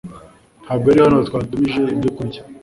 Ntabwo ari hano twatumije ibyo kurya .